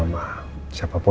siapapun yang elsa mau ketemu